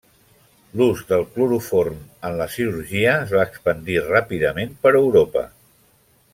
L'ús del cloroform en la cirurgia es va expandir ràpidament per Europa.